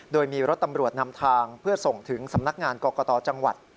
โดยมีรถตำรวจนำทางเพื่อส่งถึงสำนักงานกรกตจังหวัด